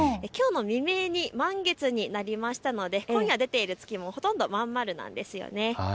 きょうも未明に満月になりましたので今夜出ている月もほとんどまん丸なんです。